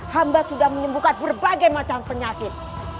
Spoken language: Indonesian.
hamba sudah menyembuhkan berbagai macam penyakit